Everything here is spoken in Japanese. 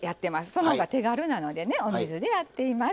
その方が手軽なのでねお水でやっています。